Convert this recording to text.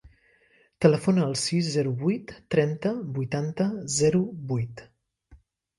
Telefona al sis, zero, vuit, trenta, vuitanta, zero, vuit.